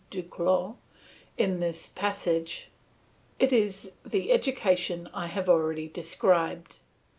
Duclos in this passage, it is the education I have already described.